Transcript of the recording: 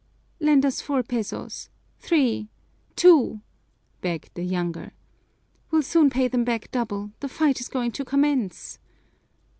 "Lend us four pesos, three, two," begged the younger. "We'll soon pay them back double. The fight is going to commence."